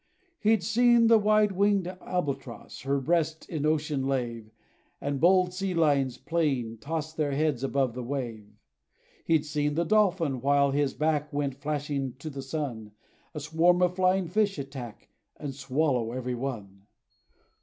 He 'd seen the wide winged albatross Her breast in ocean lave; And bold sea lions, playing, toss Their heads above the wave. He 'd seen the dolphin, while his back Went flashing to the sun, A swarm of flying fish attack, And swallow every one!